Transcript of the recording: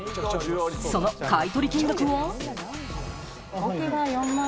その買い取り金額は？